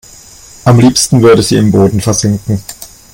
Am liebsten würde sie im Boden versinken.